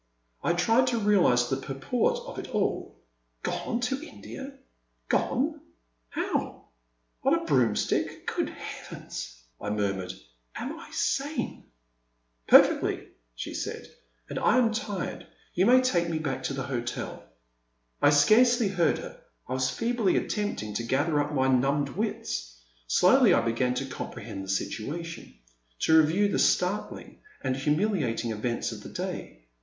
I tried to realize the purport of it all. Gone to India ? Gone ! How ? On a broomstick ? Good Heavens !I murmured, am I sane ?Perfectly,*' she said, and I am tired; you may take me back to the hotel. I scarcely heard her; I was feebly attempting to gather up my numbed wits. Slowly I began to comprehend the situation, to review the start ling and humiliating events of the day.